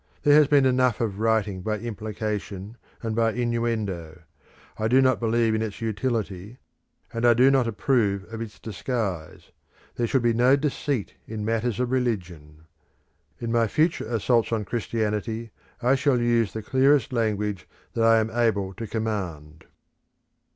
There has been enough of writing by implication and by innuendo; I do not believe in its utility, and I do not approve of its disguise. There should be no deceit in matters of religion. In my future assaults on Christianity I shall use the clearest language that I am able to command.